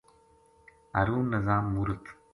ہارون نظام مورت